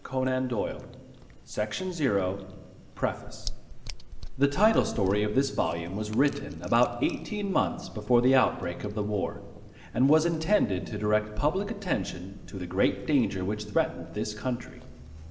1918 ALL RIGHTS RESERVED PREFACE The Title story of this volume was written about eighteen months before the outbreak of the war, and was intended to direct public attention to the great danger which threatened this country.